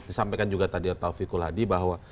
disampaikan juga tadi taufikul hadi bahwa